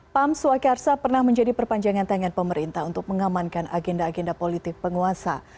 pam swakarsa pernah menjadi perpanjangan tangan pemerintah untuk mengamankan agenda agenda politik penguasa